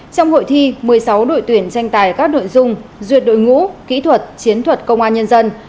trong hội thi một mươi sáu đội tuyển tranh tài các nội dung duyệt đội ngũ kỹ thuật chiến thuật công an nhân dân